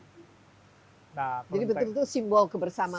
jadi betul itu simbol kebersamaan ya